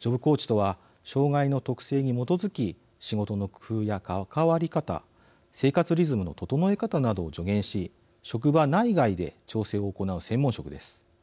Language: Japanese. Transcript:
ジョブコーチとは障害の特性に基づき仕事の工夫や関わり方生活リズムの整え方などを助言し職場内外で調整を行う専門職です。